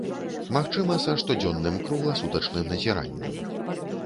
Магчыма, са штодзённым кругласутачным назіраннем.